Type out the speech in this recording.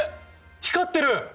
光ってる！